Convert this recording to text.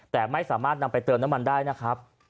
แต่ไม่สามารถนำไปเติมน้ำมันได้นะครับ